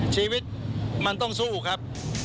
ชีวิตมันต้องสู้ครับ